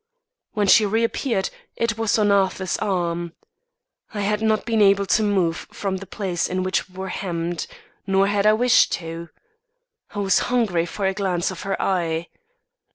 When she reappeared, it was on Arthur's arm. I had not been able to move from the place in which we were hemmed; nor had I wished to. I was hungry for a glance of her eye.